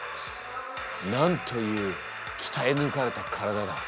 なんというきたえ抜かれた体だ。